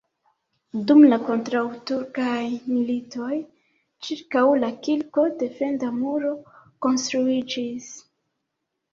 Dum la kontraŭturkaj militoj ĉirkaŭ la kirko defenda muro konstruiĝis.